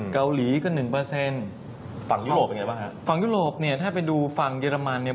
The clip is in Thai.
เกาหลีก็๑ฝั่งยุโรปเป็นไงบ้างครับฝั่งยุโรปเนี่ยถ้าไปดูฝั่งเยอรมันเนี่ย